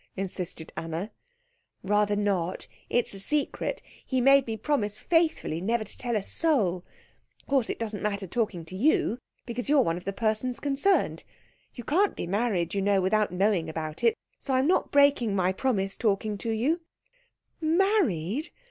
insisted Anna. "Rather not. It's a secret. He made me promise faithfully never to tell a soul. Of course it doesn't matter talking to you, because you're one of the persons concerned. You can't be married, you know, without knowing about it, so I'm not breaking my promise talking to you " "Married?